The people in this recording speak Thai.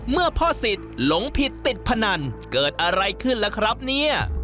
เมื่อพ่อสิทธิ์หลงผิดติดพนันเกิดอะไรขึ้นล่ะครับเนี่ย